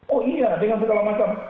oh iya dengan segala macam